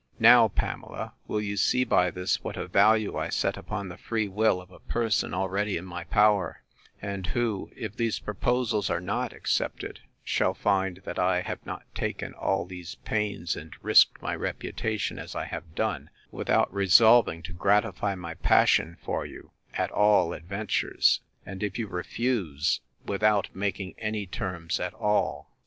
Now, Pamela, will you see by this, what a value I set upon the free will of a person already in my power; and who, if these proposals are not accepted, shall find, that I have not taken all these pains, and risked my reputation, as I have done, without resolving to gratify my passion for you, at all adventures; and if you refuse, without making any terms at all.